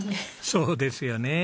そうですよね。